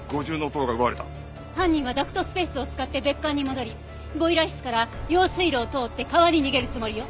犯人はダクトスペースを使って別館に戻りボイラー室から用水路を通って川に逃げるつもりよ。